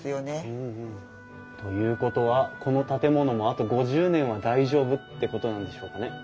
ということはこの建物もあと５０年は大丈夫ってことなんでしょうかね。